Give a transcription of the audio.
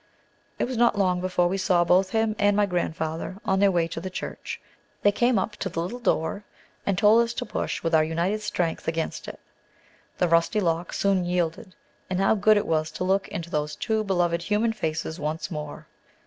It was not long before we saw both him and my grandfather on their way to the church. They came up to the little door, and told us to push with our united strength against it. The rusty lock soon yielded, and how good it was to look into those two beloved human faces once more!